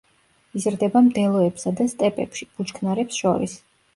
იზრდება მდელოებსა და სტეპებში, ბუჩქნარებს შორის.